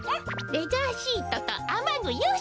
レジャーシートとあまぐよし！